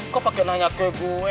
kok pakai nanya ke gue